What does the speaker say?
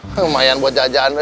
lumayan buat jajan gue